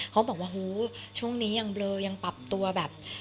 เขาบอกว่าหูช่วงนี้ยังเบลอยังปรับตัวแบบ